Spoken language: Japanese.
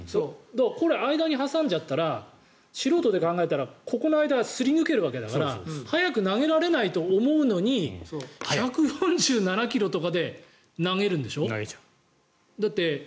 これ、間に挟んじゃったら素人で考えたらここの間はすり抜けるわけだから速く投げられないと思うのに１４７ｋｍとかで投げるんでしょ？